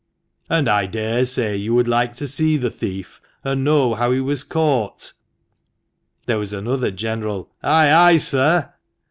"And I daresay you would like to see the thief, and know how he was caught." There was another general " Ay, ay, sir